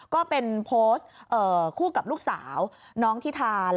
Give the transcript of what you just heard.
ก็เป็นโพสต์คู่กับลูกสาวน้องทิธาน